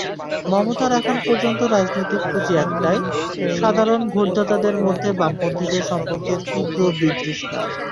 মমতার এখন পর্যন্ত রাজনৈতিক পুঁজি একটাই—সাধারণ ভোটদাতাদের মধ্যে বামপন্থীদের সম্পর্কে তীব্র বিতৃষ্ণা।